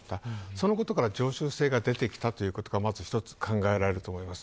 そのことから常習性が出てきたということがまず一つ考えられると思います。